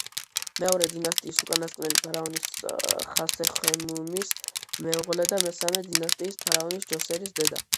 მეორე დინასტიის უკანასკნელი ფარაონის ხასეხემუის მეუღლე და მესამე დინასტიის ფარაონის ჯოსერის დედა.